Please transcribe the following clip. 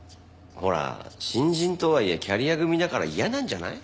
ほら新人とはいえキャリア組だから嫌なんじゃない？